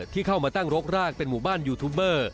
ที่เข้ามาตั้งรกรากเป็นหมู่บ้านยูทูบเบอร์